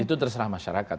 itu terserah masyarakat